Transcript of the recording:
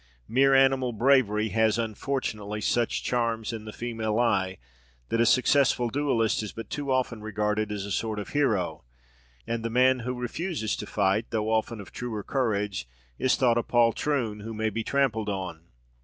Mere animal bravery has, unfortunately, such charms in the female eye, that a successful duellist is but too often regarded as a sort of hero; and the man who refuses to fight, though of truer courage, is thought a poltroon, who may be trampled on.